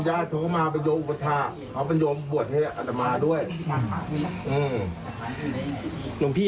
ได้ไงำหรับพี่วัดก็จะมาค้างพืชได้ไง